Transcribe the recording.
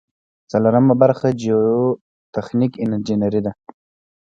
څلورمه برخه جیوتخنیک انجنیری ده.